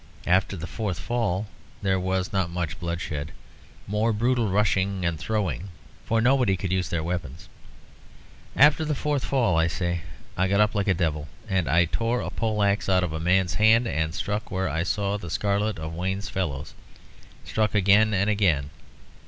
After the fourth fall (there was not much bloodshed more brutal rushing and throwing for nobody could use their weapons), after the fourth fall, I say, I got up like a devil, and I tore a poleaxe out of a man's hand and struck where I saw the scarlet of Wayne's fellows, struck again and again.